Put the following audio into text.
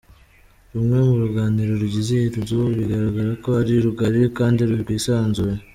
Rumwe mu ruganiro rugize iyi nzu bigaragara ko ari rugari kandi rwisanzuye.